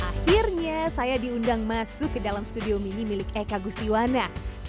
akhirnya saya diundang masuk ke dalam studio mini milik eka gustiwana